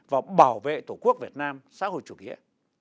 và bảo vệ tổ quốc việt nam xã hội chủ nghĩa